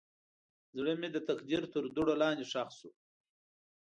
زړه مې د تقدیر تر دوړو لاندې ښخ شو.